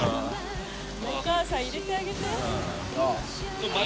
お母さん入れてあげて。